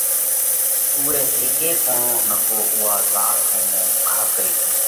اُوئہ هيڪي پوڻو نڪو اُوئا زاۯ ۿومو گھا ڪريو